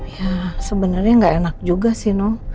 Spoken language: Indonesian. ya sebenarnya nggak enak juga sih no